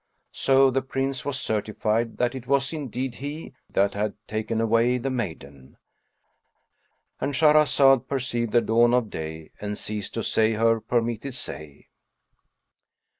So the Prince was certified that it was indeed he that had taken away the maiden,—And Shahrazad perceived the dawn of day and ceased to say her permitted say.